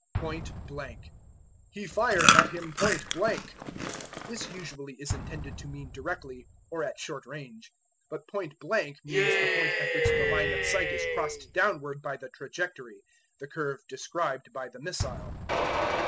Point Blank. "He fired at him point blank." This usually is intended to mean directly, or at short range. But point blank means the point at which the line of sight is crossed downward by the trajectory the curve described by the missile.